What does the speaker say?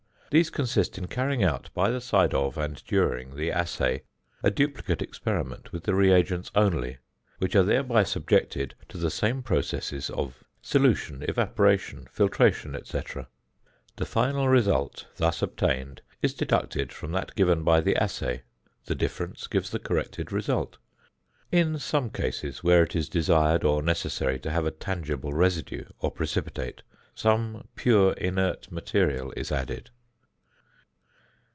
These consist in carrying out by the side of and during the assay a duplicate experiment with the reagents only, which are thereby subjected to the same processes of solution, evaporation, filtration, &c. The final result thus obtained is deducted from that given by the assay, the difference gives the corrected result. In some cases, where it is desired or necessary to have a tangible residue or precipitate, some pure inert material is added.